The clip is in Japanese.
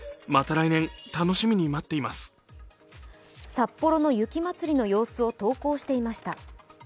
札幌の雪まつりの様子を投稿していました。